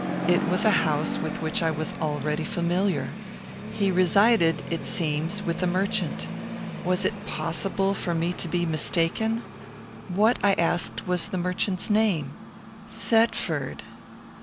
It was a house with which I was already familiar. He resided, it seems, with a merchant. Was it possible for me to be mistaken? What, I asked, was the merchant's name? _Thetford.